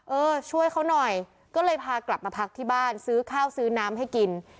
เออช่วยเขาหน่อยก็เลยพากลับมาพักที่บ้านซื้อข้าวซื้อน้ำให้กิน